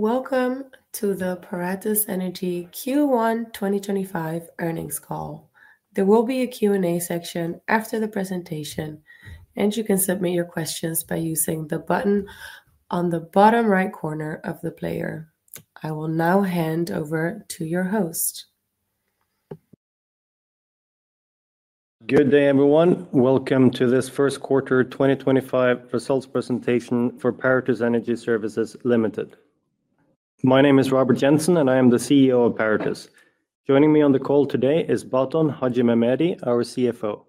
Welcome to the Paratus Energy Q1 2025 earnings call. There will be a Q&A section after the presentation, and you can submit your questions by using the button on the bottom right corner of the player. I will now hand over to your host. Good day, everyone. Welcome to this first quarter 2025 results presentation for Paratus Energy Services Limited. My name is Robert Jensen, and I am the CEO of Paratus. Joining me on the call today is Baton Haxhimehmedi, our CFO.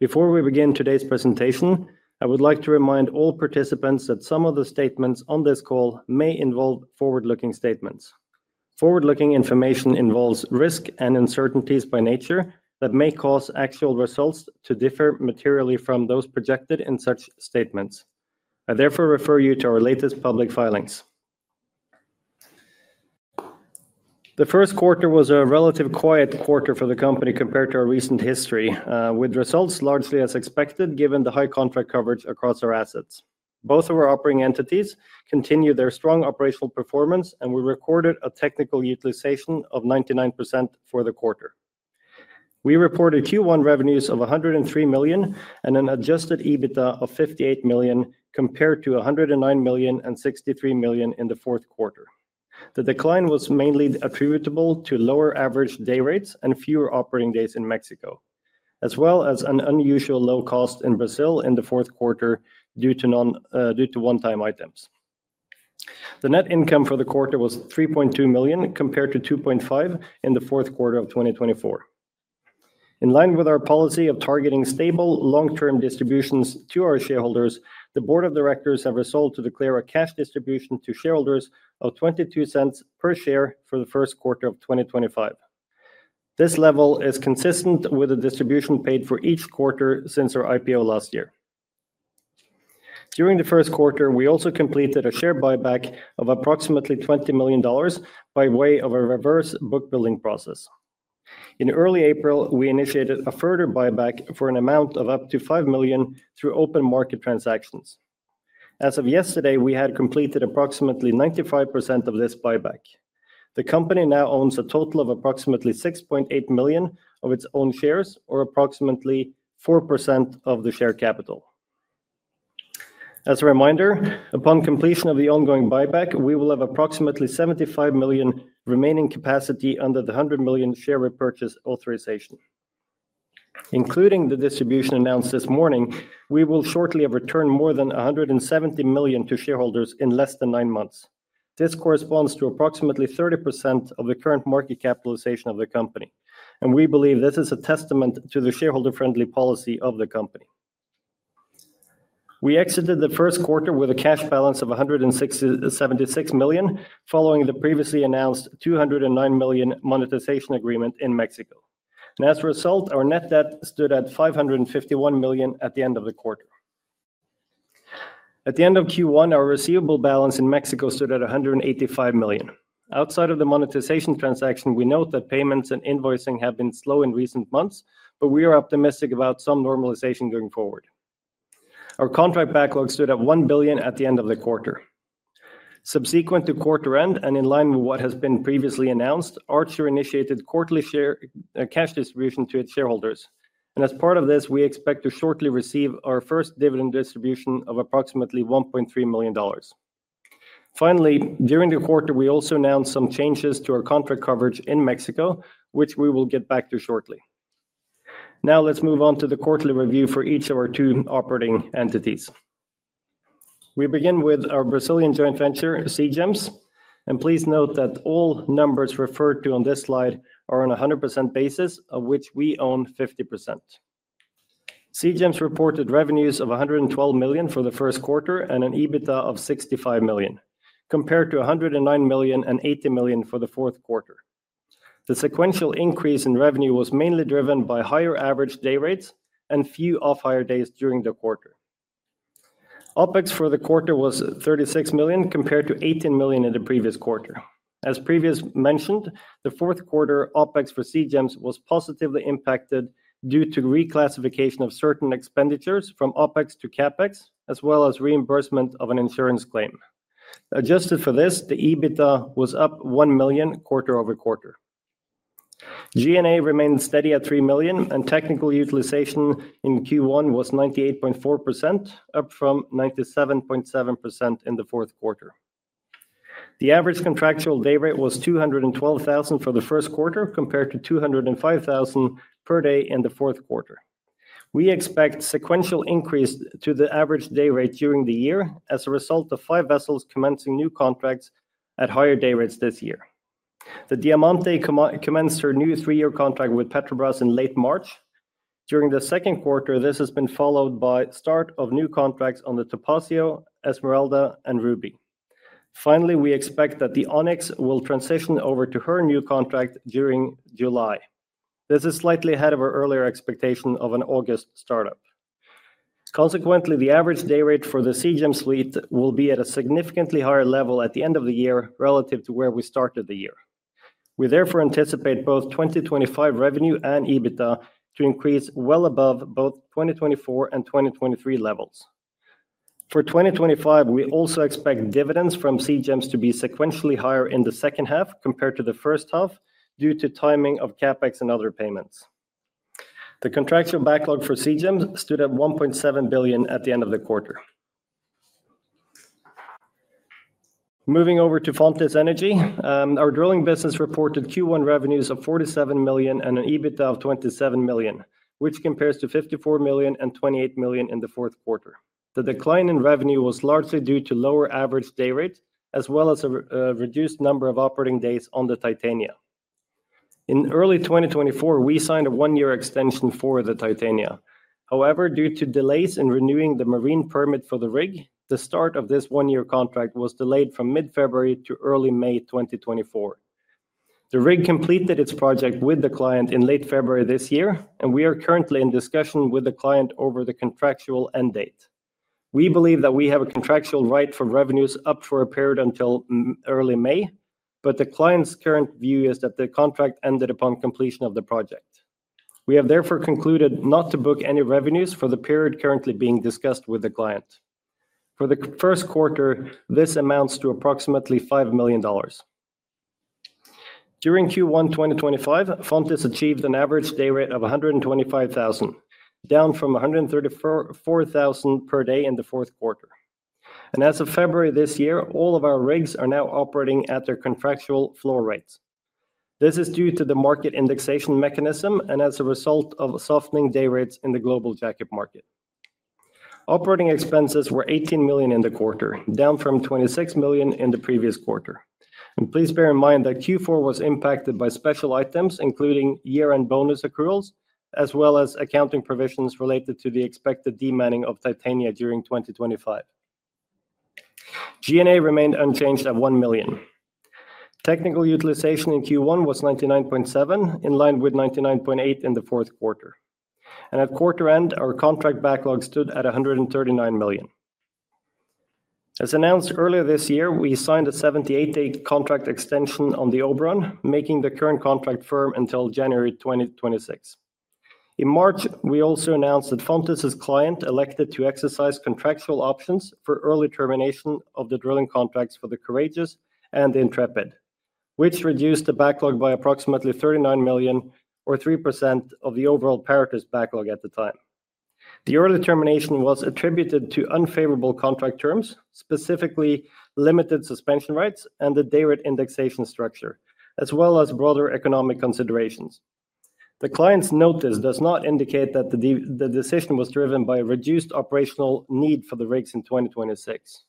Before we begin today's presentation, I would like to remind all participants that some of the statements on this call may involve forward-looking statements. Forward-looking information involves risk and uncertainties by nature that may cause actual results to differ materially from those projected in such statements. I therefore refer you to our latest public filings. The first quarter was a relatively quiet quarter for the company compared to our recent history, with results largely as expected given the high contract coverage across our assets. Both of our operating entities continued their strong operational performance, and we recorded a technical utilization of 99% for the quarter. We reported Q1 revenues of $103 million and an adjusted EBITDA of $58 million compared to $109 million and $63 million in the fourth quarter. The decline was mainly attributable to lower average day rates and fewer operating days in Mexico, as well as an unusually low cost in Brazil in the fourth quarter due to one-time items. The net income for the quarter was $3.2 million compared to $2.5 million in the fourth quarter of 2024. In line with our policy of targeting stable long-term distributions to our shareholders, the Board of Directors have resolved to declare a cash distribution to shareholders of $0.22 per share for the first quarter of 2025. This level is consistent with the distribution paid for each quarter since our IPO last year. During the first quarter, we also completed a share buyback of approximately $20 million by way of a reverse bookbuilding process. In early April, we initiated a further buyback for an amount of up to $5 million through open market transactions. As of yesterday, we had completed approximately 95% of this buyback. The company now owns a total of approximately $6.8 million of its own shares, or approximately 4% of the share capital. As a reminder, upon completion of the ongoing buyback, we will have approximately $75 million remaining capacity under the $100 million share repurchase authorization. Including the distribution announced this morning, we will shortly have returned more than $170 million to shareholders in less than nine months. This corresponds to approximately 30% of the current market capitalization of the company, and we believe this is a testament to the shareholder-friendly policy of the company. We exited the first quarter with a cash balance of $176 million, following the previously announced $209 million monetization agreement in Mexico. As a result, our net debt stood at $551 million at the end of the quarter. At the end of Q1, our receivable balance in Mexico stood at $185 million. Outside of the monetization transaction, we note that payments and invoicing have been slow in recent months, but we are optimistic about some normalization going forward. Our contract backlog stood at $1 billion at the end of the quarter. Subsequent to quarter end and in line with what has been previously announced, Paratus initiated quarterly cash distribution to its shareholders. As part of this, we expect to shortly receive our first dividend distribution of approximately $1.3 million. Finally, during the quarter, we also announced some changes to our contract coverage in Mexico, which we will get back to shortly. Now let's move on to the quarterly review for each of our two operating entities. We begin with our Brazilian joint venture, Seagems, and please note that all numbers referred to on this slide are on a 100% basis, of which we own 50%. Seagems reported revenues of $112 million for the first quarter and an EBITDA of $65 million, compared to $109 million and $80 million for the fourth quarter. The sequential increase in revenue was mainly driven by higher average day rates and few off-hire days during the quarter. OpEx for the quarter was $36 million compared to $18 million in the previous quarter. As previously mentioned, the fourth quarter OpEx for Seagems was positively impacted due to reclassification of certain expenditures from OpEx to CapEx, as well as reimbursement of an insurance claim. Adjusted for this, the EBITDA was up $1 million quarter-over-quarter. G&A remained steady at $3 million, and technical utilization in Q1 was 98.4%, up from 97.7% in the fourth quarter. The average contractual day rate was $212,000 for the first quarter, compared to $205,000 per day in the fourth quarter. We expect sequential increase to the average day rate during the year as a result of five vessels commencing new contracts at higher day rates this year. The Diamante commenced her new three-year contract with Petrobras in late March. During the second quarter, this has been followed by the start of new contracts on the Topázio, Esmeralda, and Rubi. Finally, we expect that the Ônix will transition over to her new contract during July. This is slightly ahead of our earlier expectation of an August startup. Consequently, the average day rate for the Seagems suite will be at a significantly higher level at the end of the year relative to where we started the year. We therefore anticipate both 2025 revenue and EBITDA to increase well above both 2024 and 2023 levels. For 2025, we also expect dividends from Seagems to be sequentially higher in the second half compared to the first half due to timing of CapEx and other payments. The contractual backlog for Seagems stood at $1.7 billion at the end of the quarter. Moving over to Fontis Energy, our drilling business reported Q1 revenues of $47 million and an EBITDA of $27 million, which compares to $54 million and $28 million in the fourth quarter. The decline in revenue was largely due to lower average day rates, as well as a reduced number of operating days on the Titania. In early 2024, we signed a one-year extension for the Titania. However, due to delays in renewing the marine permit for the rig, the start of this one-year contract was delayed from mid-February to early May 2024. The rig completed its project with the client in late February this year, and we are currently in discussion with the client over the contractual end date. We believe that we have a contractual right for revenues up for a period until early May, but the client's current view is that the contract ended upon completion of the project. We have therefore concluded not to book any revenues for the period currently being discussed with the client. For the first quarter, this amounts to approximately $5 million. During Q1 2025, Fontis achieved an average day rate of $125,000, down from $134,000 per day in the fourth quarter. As of February this year, all of our rigs are now operating at their contractual floor rates. This is due to the market indexation mechanism and as a result of softening day rates in the global jackup market. Operating expenses were $18 million in the quarter, down from $26 million in the previous quarter. Please bear in mind that Q4 was impacted by special items, including year-end bonus accruals, as well as accounting provisions related to the expected demanning of Titania during 2025. G&A remained unchanged at $1 million. Technical utilization in Q1 was 99.7%, in line with 99.8% in the fourth quarter. At quarter end, our contract backlog stood at $139 million. As announced earlier this year, we signed a 78-day contract extension on the Oberon, making the current contract firm until January 2026. In March, we also announced that Fontis' client elected to exercise contractual options for early termination of the drilling contracts for the Courageous and the Intrepid, which reduced the backlog by approximately $39 million, or 3% of the overall Paratus backlog at the time. The early termination was attributed to unfavorable contract terms, specifically limited suspension rights and the day rate indexation structure, as well as broader economic considerations. The client's notice does not indicate that the decision was driven by a reduced operational need for the rigs in 2026.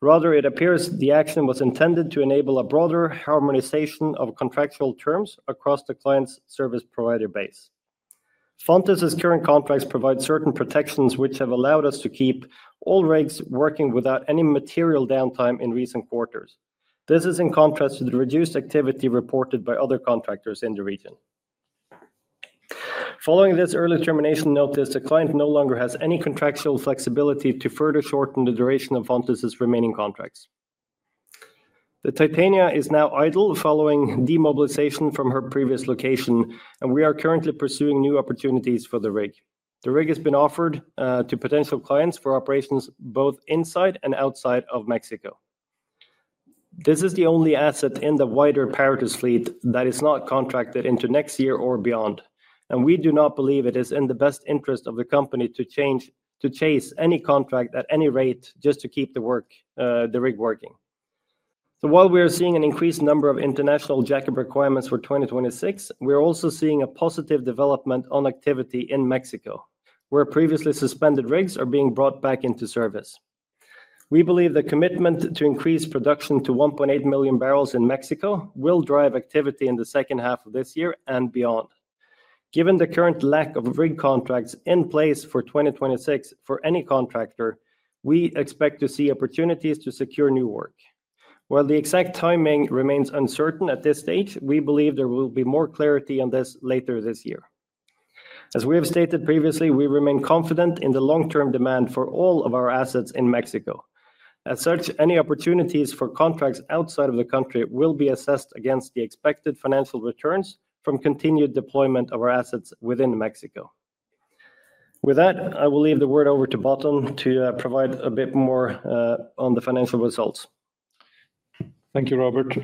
Rather, it appears the action was intended to enable a broader harmonization of contractual terms across the client's service provider base. Fontis' current contracts provide certain protections, which have allowed us to keep all rigs working without any material downtime in recent quarters. This is in contrast to the reduced activity reported by other contractors in the region. Following this early termination notice, the client no longer has any contractual flexibility to further shorten the duration of Fontis' remaining contracts. The Titania is now idle following demobilization from her previous location, and we are currently pursuing new opportunities for the rig. The rig has been offered to potential clients for operations both inside and outside of Mexico. This is the only asset in the wider Paratus fleet that is not contracted into next year or beyond, and we do not believe it is in the best interest of the company to chase any contract at any rate just to keep the rig working. While we are seeing an increased number of international jackup requirements for 2026, we are also seeing a positive development on activity in Mexico, where previously suspended rigs are being brought back into service. We believe the commitment to increase production to 1.8 million barrels in Mexico will drive activity in the second half of this year and beyond. Given the current lack of rig contracts in place for 2026 for any contractor, we expect to see opportunities to secure new work. While the exact timing remains uncertain at this stage, we believe there will be more clarity on this later this year. As we have stated previously, we remain confident in the long-term demand for all of our assets in Mexico. As such, any opportunities for contracts outside of the country will be assessed against the expected financial returns from continued deployment of our assets within Mexico. With that, I will leave the word over to Baton to provide a bit more on the financial results. Thank you, Robert.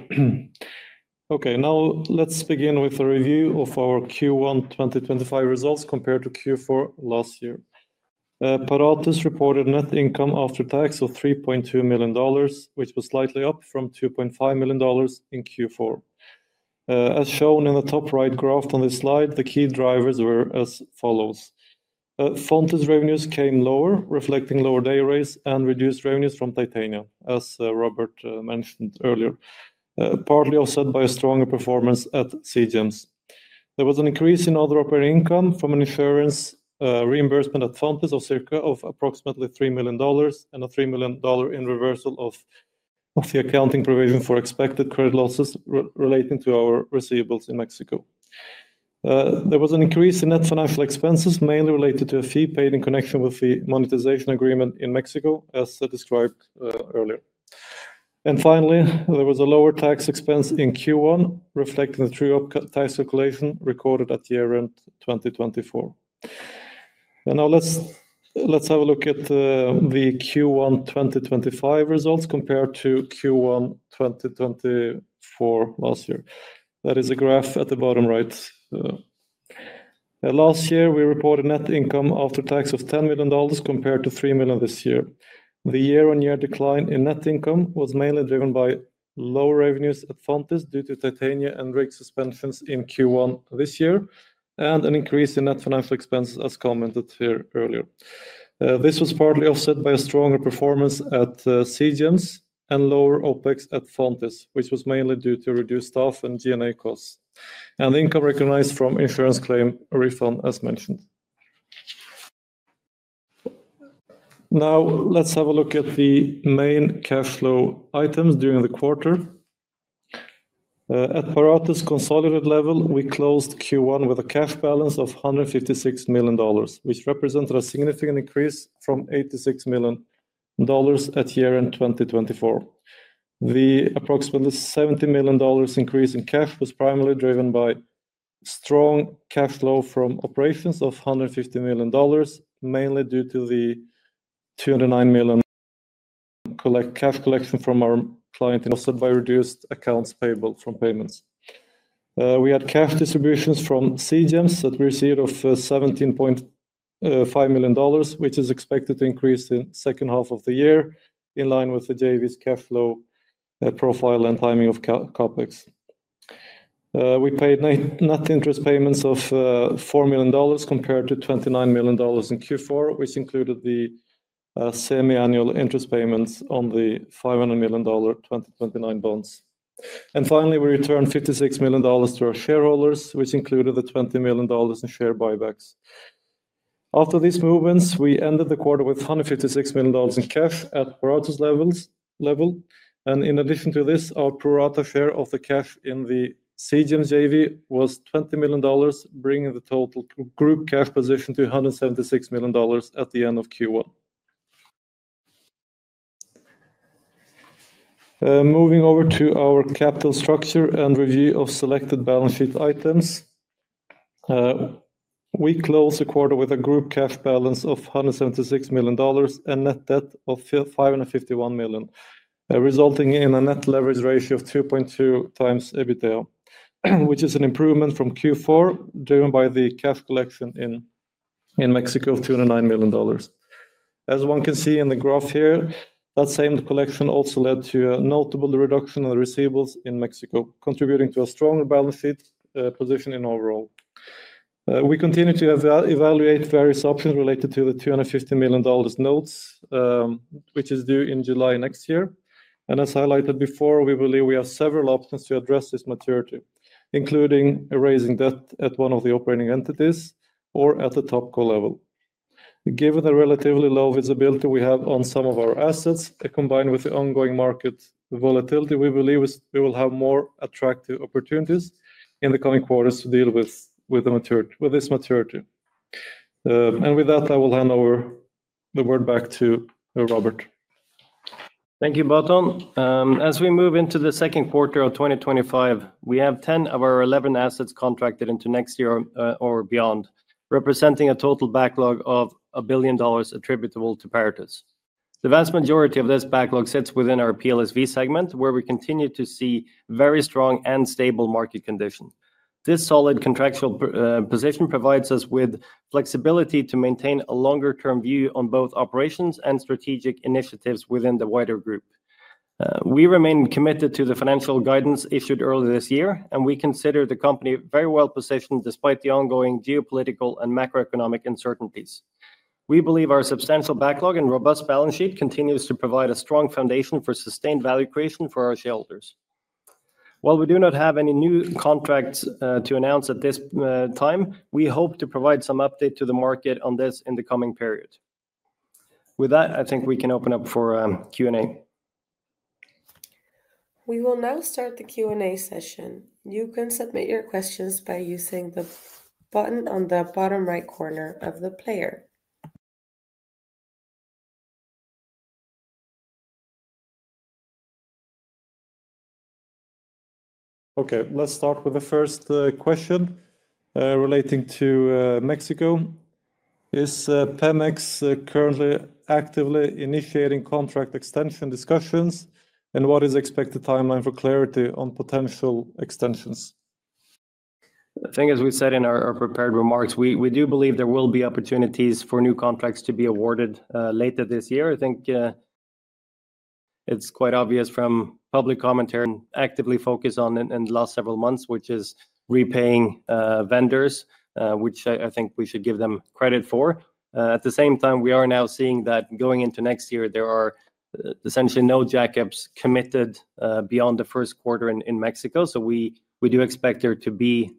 Okay, now let's begin with a review of our Q1 2025 results compared to Q4 last year. Paratus reported net income after tax of $3.2 million, which was slightly up from $2.5 million in Q4. As shown in the top right graph on this slide, the key drivers were as follows. Fontis' revenues came lower, reflecting lower day rates and reduced revenues from Titania, as Robert mentioned earlier, partly offset by a stronger performance at Seagems. There was an increase in other operating income from an insurance reimbursement at Fontis of approximately $3 million and a $3 million reversal of the accounting provision for expected credit losses relating to our receivables in Mexico. There was an increase in net financial expenses, mainly related to a fee paid in connection with the monetization agreement in Mexico, as described earlier. Finally, there was a lower tax expense in Q1, reflecting the true tax calculation recorded at year-end 2024. Now let's have a look at the Q1 2025 results compared to Q1 2024 last year. That is a graph at the bottom right. Last year, we reported net income after tax of $10 million compared to $3 million this year. The year-on-year decline in net income was mainly driven by low revenues at Fontis due to Titania and rig suspensions in Q1 this year and an increase in net financial expenses, as commented here earlier. This was partly offset by a stronger performance at Seagems and lower OpEx at Fontis, which was mainly due to reduced staff and G&A costs, and the income recognized from insurance claim refund, as mentioned. Now let's have a look at the main cash flow items during the quarter. At Paratus' consolidated level, we closed Q1 with a cash balance of $156 million, which represented a significant increase from $86 million at year-end 2024. The approximately $70 million increase in cash was primarily driven by strong cash flow from operations of $150 million, mainly due to the $209 million cash collection from our client, offset by reduced accounts payable from payments. We had cash distributions from Seagems that we received of $17.5 million, which is expected to increase in the second half of the year, in line with the JV's cash flow profile and timing of CapEx. We paid net interest payments of $4 million compared to $29 million in Q4, which included the semi-annual interest payments on the $500 million 2029 bonds. Finally, we returned $56 million to our shareholders, which included the $20 million in shared buybacks. After these movements, we ended the quarter with $156 million in cash at Paratus level. In addition to this, our pro-rata share of the cash in the Seagems JV was $20 million, bringing the total group cash position to $176 million at the end of Q1. Moving over to our capital structure and review of selected balance sheet items. We closed the quarter with a group cash balance of $176 million and net debt of $551 million, resulting in a net leverage ratio of 2.2x EBITDA, which is an improvement from Q4, driven by the cash collection in Mexico of $209 million. As one can see in the graph here, that same collection also led to a notable reduction in the receivables in Mexico, contributing to a stronger balance sheet position in overall. We continue to evaluate various options related to the $250 million notes, which is due in July next year. As highlighted before, we believe we have several options to address this maturity, including erasing debt at one of the operating entities or at the top call level. Given the relatively low visibility we have on some of our assets, combined with the ongoing market volatility, we believe we will have more attractive opportunities in the coming quarters to deal with this maturity. With that, I will hand over the word back to Robert. Thank you, Baton. As we move into the second quarter of 2025, we have 10 of our 11 assets contracted into next year or beyond, representing a total backlog of $1 billion attributable to Paratus. The vast majority of this backlog sits within our PLSV segment, where we continue to see very strong and stable market conditions. This solid contractual position provides us with flexibility to maintain a longer-term view on both operations and strategic initiatives within the wider group. We remain committed to the financial guidance issued earlier this year, and we consider the company very well-positioned despite the ongoing geopolitical and macroeconomic uncertainties. We believe our substantial backlog and robust balance sheet continues to provide a strong foundation for sustained value creation for our shareholders. While we do not have any new contracts to announce at this time, we hope to provide some update to the market on this in the coming period. With that, I think we can open up for Q&A. We will now start the Q&A session. You can submit your questions by using the button on the bottom right corner of the player. Okay, let's start with the first question relating to Mexico. Is Pemex currently actively initiating contract extension discussions, and what is the expected timeline for clarity on potential extensions? I think, as we said in our prepared remarks, we do believe there will be opportunities for new contracts to be awarded later this year. I think it's quite obvious from public commentary. Actively focused on in the last several months, which is repaying vendors, which I think we should give them credit for. At the same time, we are now seeing that going into next year, there are essentially no jackups committed beyond the first quarter in Mexico. We do expect there to be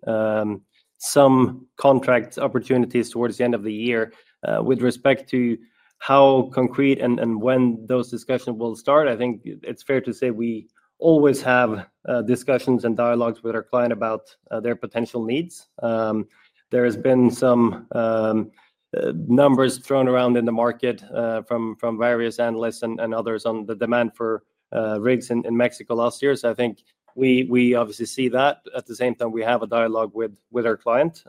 some contract opportunities towards the end of the year. With respect to how concrete and when those discussions will start, I think it's fair to say we always have discussions and dialogues with our client about their potential needs. There has been some numbers thrown around in the market from various analysts and others on the demand for rigs in Mexico last year. I think we obviously see that. At the same time, we have a dialogue with our client.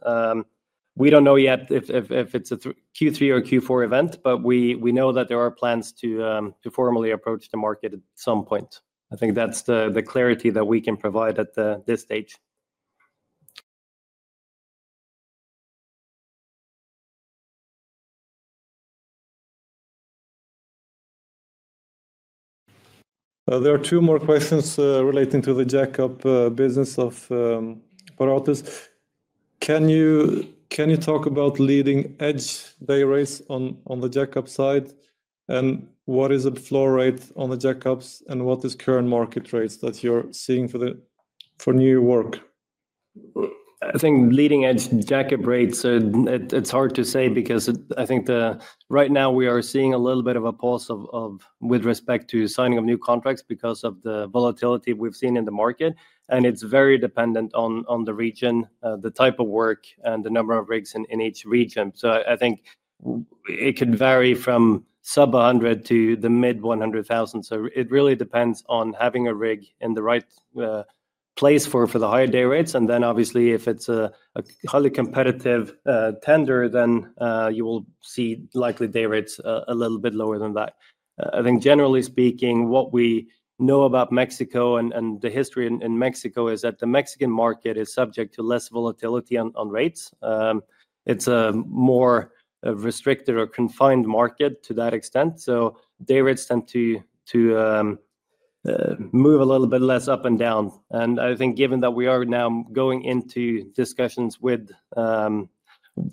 We do not know yet if it is a Q3 or Q4 event, but we know that there are plans to formally approach the market at some point. I think that is the clarity that we can provide at this stage. There are two more questions relating to the jackup business of Paratus. Can you talk about leading edge day rates on the jackup side? What is the floor rate on the jackups, and what is the current market rates that you are seeing for new work? I think leading edge jackup rates, it's hard to say because I think right now we are seeing a little bit of a pause with respect to signing of new contracts because of the volatility we've seen in the market. It's very dependent on the region, the type of work, and the number of rigs in each region. I think it can vary from sub-$100,000 to the mid-$100,000. It really depends on having a rig in the right place for the higher day rates. Obviously, if it's a highly competitive tender, then you will see likely day rates a little bit lower than that. I think, generally speaking, what we know about Mexico and the history in Mexico is that the Mexican market is subject to less volatility on rates. It's a more restricted or confined market to that extent. Day rates tend to move a little bit less up and down. I think given that we are now going into discussions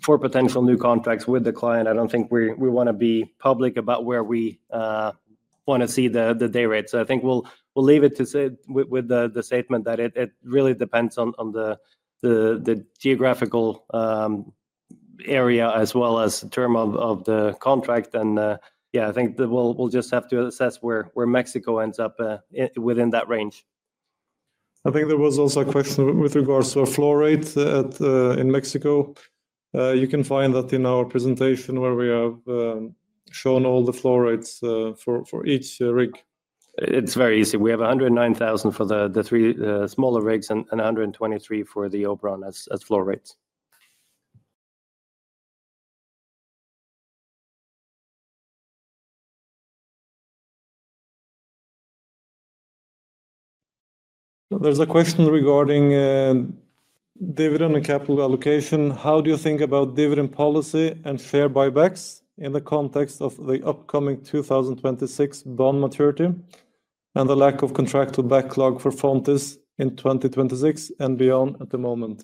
for potential new contracts with the client, I do not think we want to be public about where we want to see the day rates. I think we will leave it with the statement that it really depends on the geographical area as well as the term of the contract. Yeah, I think we will just have to assess where Mexico ends up within that range. I think there was also a question with regards to a floor rate in Mexico. You can find that in our presentation where we have shown all the floor rates for each rig. It is very easy. We have $109,000 for the three smaller rigs and $123,000 for the Oberon as floor rates. There is a question regarding dividend and capital allocation. How do you think about dividend policy and fair buybacks in the context of the upcoming 2026 bond maturity and the lack of contractual backlog for Fontis in 2026 and beyond at the moment?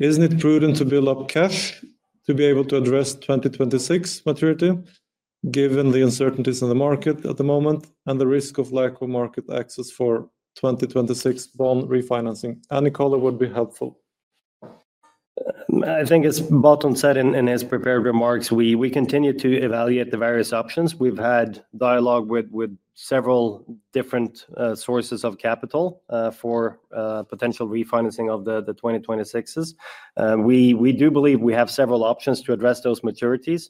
Isn't it prudent to build up cash to be able to address 2026 maturity, given the uncertainties in the market at the moment and the risk of lack of market access for 2026 bond refinancing? Any color would be helpful. I think as Baton said in his prepared remarks, we continue to evaluate the various options. We've had dialogue with several different sources of capital for potential refinancing of the 2026s. We do believe we have several options to address those maturities.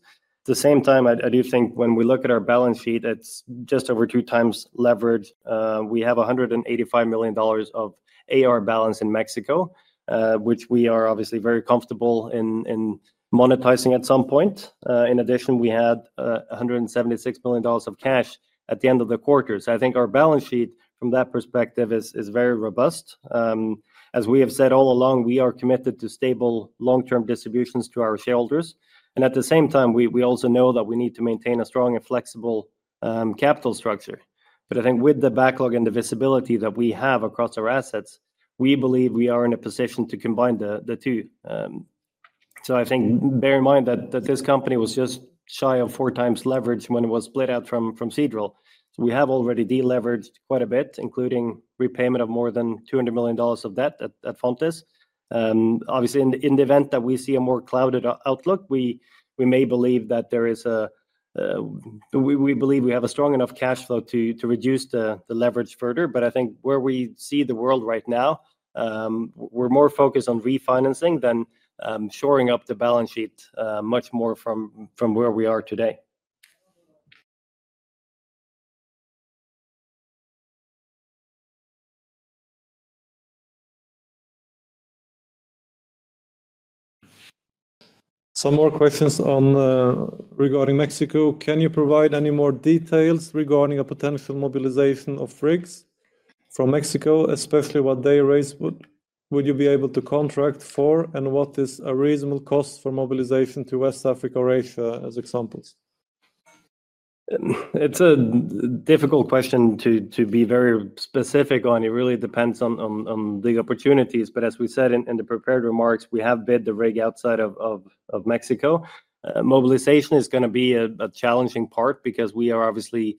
At the same time, I do think when we look at our balance sheet, it's just over two times leverage. We have $185 million of AR balance in Mexico, which we are obviously very comfortable in monetizing at some point. In addition, we had $176 million of cash at the end of the quarter. I think our balance sheet, from that perspective, is very robust. As we have said all along, we are committed to stable long-term distributions to our shareholders. At the same time, we also know that we need to maintain a strong and flexible capital structure. I think with the backlog and the visibility that we have across our assets, we believe we are in a position to combine the two. I think bear in mind that this company was just shy of four times leveraged when it was split out from Seadrill. We have already deleveraged quite a bit, including repayment of more than $200 million of debt at Fontis. Obviously, in the event that we see a more clouded outlook, we may believe that there is a—we believe we have a strong enough cash flow to reduce the leverage further. I think where we see the world right now, we're more focused on refinancing than shoring up the balance sheet much more from where we are today. Some more questions regarding Mexico. Can you provide any more details regarding a potential mobilization of rigs from Mexico, especially what day rates would you be able to contract for, and what is a reasonable cost for mobilization to West Africa or Asia as examples? It's a difficult question to be very specific on. It really depends on the opportunities. As we said in the prepared remarks, we have bid the rig outside of Mexico. Mobilization is going to be a challenging part because we are obviously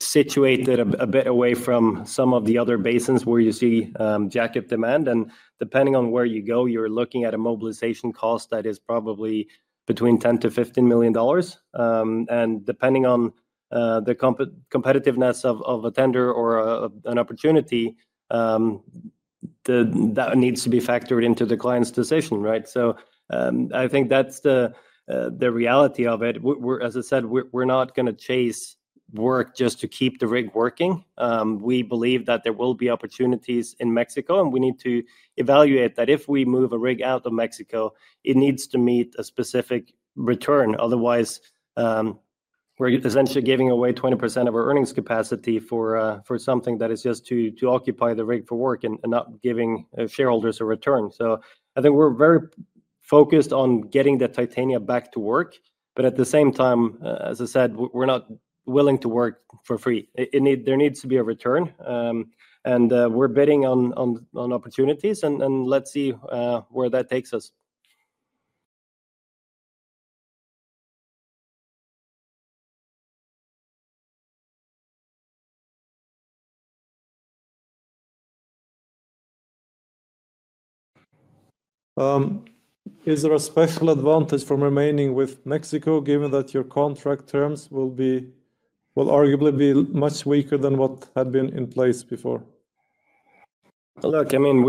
situated a bit away from some of the other basins where you see jackup demand. Depending on where you go, you're looking at a mobilization cost that is probably between $10-$15 million. Depending on the competitiveness of a tender or an opportunity, that needs to be factored into the client's decision. I think that's the reality of it. As I said, we're not going to chase work just to keep the rig working. We believe that there will be opportunities in Mexico, and we need to evaluate that if we move a rig out of Mexico, it needs to meet a specific return. Otherwise, we're essentially giving away 20% of our earnings capacity for something that is just to occupy the rig for work and not giving shareholders a return. I think we're very focused on getting the Titania back to work. At the same time, as I said, we're not willing to work for free. There needs to be a return, and we're bidding on opportunities, and let's see where that takes us. Is there a special advantage from remaining with Mexico, given that your contract terms will arguably be much weaker than what had been in place before? Look, I mean,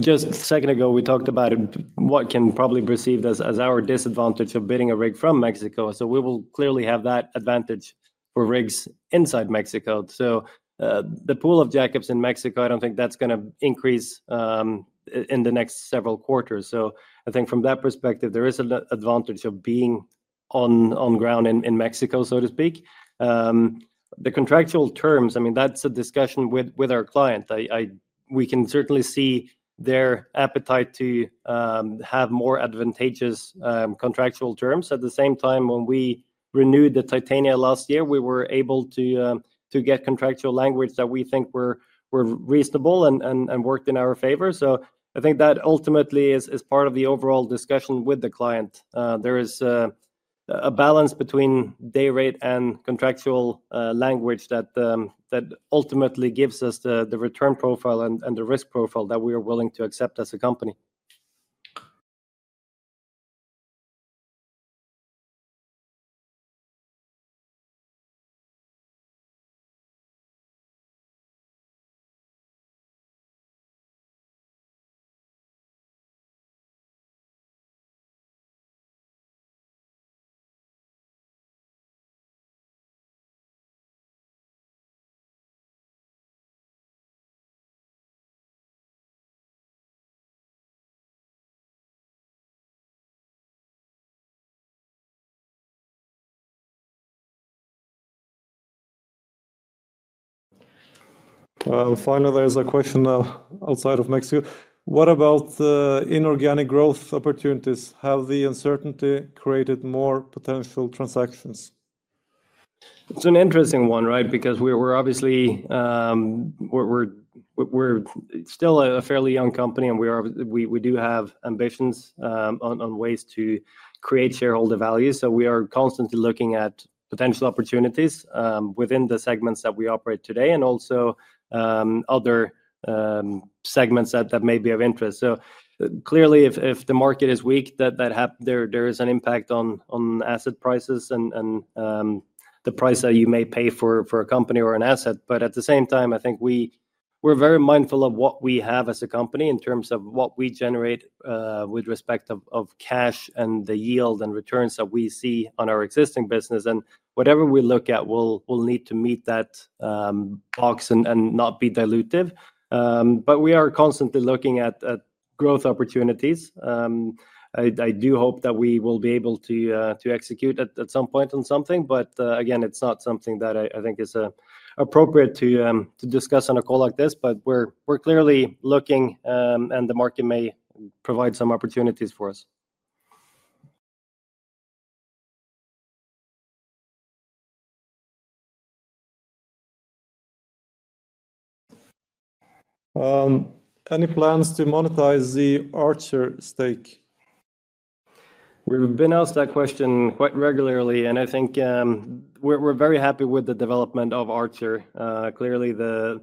just a second ago, we talked about what can probably be perceived as our disadvantage of bidding a rig from Mexico. We will clearly have that advantage for rigs inside Mexico. The pool of jackups in Mexico, I don't think that's going to increase in the next several quarters. I think from that perspective, there is an advantage of being on ground in Mexico, so to speak. The contractual terms, I mean, that's a discussion with our client. We can certainly see their appetite to have more advantageous contractual terms. At the same time, when we renewed the Titania last year, we were able to get contractual language that we think were reasonable and worked in our favor. I think that ultimately is part of the overall discussion with the client. There is a balance between day rate and contractual language that ultimately gives us the return profile and the risk profile that we are willing to accept as a company. Finally, there's a question outside of Mexico. What about the inorganic growth opportunities? Have the uncertainty created more potential transactions? It's an interesting one because we're obviously still a fairly young company, and we do have ambitions on ways to create shareholder value. We are constantly looking at potential opportunities within the segments that we operate today and also other segments that may be of interest. Clearly, if the market is weak, there is an impact on asset prices and the price that you may pay for a company or an asset. At the same time, I think we're very mindful of what we have as a company in terms of what we generate with respect to cash and the yield and returns that we see on our existing business. Whatever we look at, we'll need to meet that box and not be dilutive. We are constantly looking at growth opportunities. I do hope that we will be able to execute at some point on something. Again, it's not something that I think is appropriate to discuss on a call like this. We are clearly looking, and the market may provide some opportunities for us. Any plans to monetize the Archer stake? We have been asked that question quite regularly, and I think we are very happy with the development of Archer. Clearly, the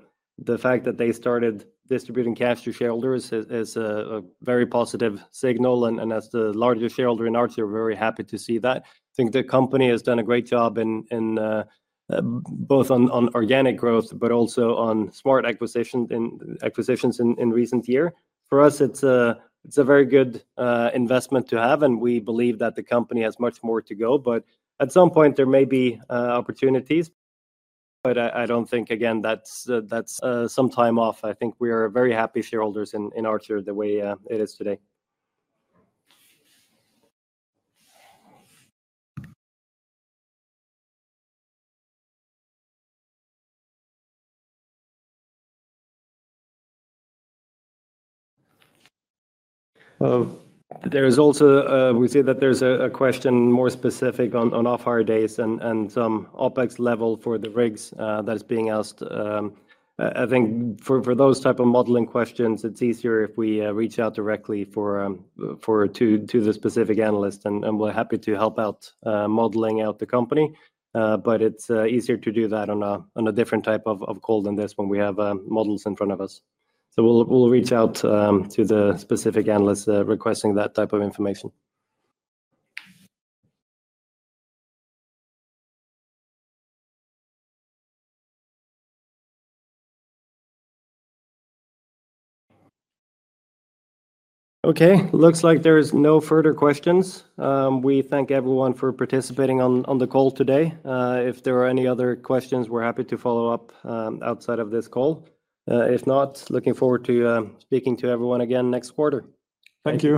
fact that they started distributing cash to shareholders is a very positive signal. As the largest shareholder in Archer, we are very happy to see that. I think the company has done a great job both on organic growth but also on smart acquisitions in recent years. For us, it is a very good investment to have, and we believe that the company has much more to go. At some point, there may be opportunities. I do not think, again, that is some time off. I think we are very happy shareholders in Archer the way it is today. We see that there's a question more specific on off-hire days and some OpEx level for the rigs that is being asked. I think for those types of modeling questions, it's easier if we reach out directly to the specific analyst, and we're happy to help out modeling out the company. But it's easier to do that on a different type of call than this when we have models in front of us. We'll reach out to the specific analyst requesting that type of information. Okay. Looks like there are no further questions. We thank everyone for participating on the call today. If there are any other questions, we're happy to follow up outside of this call. If not, looking forward to speaking to everyone again next quarter. Thank you.